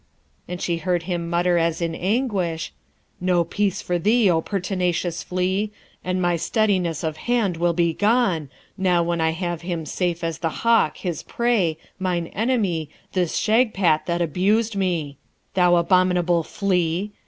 And she heard him mutter as in anguish, 'No peace for thee, O pertinacious flea! and my steadiness of hand will be gone, now when I have him safe as the hawk his prey, mine enemy, this Shagpat that abused me: thou abominable flea!